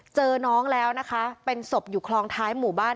เจอน้องแล้วนะคะเป็นศพอยู่คลองท้ายหมู่บ้าน